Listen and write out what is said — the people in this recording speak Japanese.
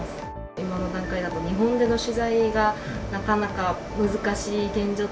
今の段階だと、日本での取材がなかなか難しい現状。